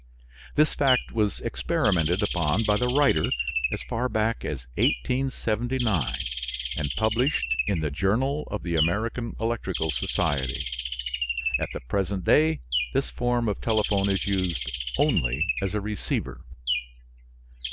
This fact was experimented upon by the writer as far back as 1879 and published in the Journal of the American Electrical Society. At the present day this form of telephone is used only as a receiver.